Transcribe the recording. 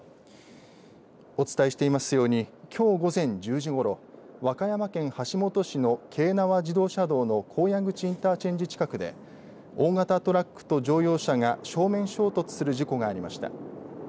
お伝えしていますようにきょう午前１０時ごろ和歌山県橋本市の京奈和自動車道の高野口インターチェンジ近くで大型トラックと乗用車が正面衝突する事故がありました。